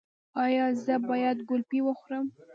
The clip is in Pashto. ایا زه باید ګلپي وخورم؟